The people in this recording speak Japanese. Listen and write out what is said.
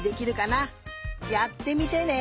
やってみてね！